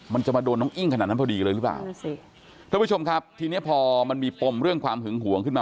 มันจะมาโดนน้องอิ้งขนาดนั้นพอดีเลยหรือเปล่าท่านผู้ชมครับทีเนี้ยพอมันมีปมเรื่องความหึงหวงขึ้นมา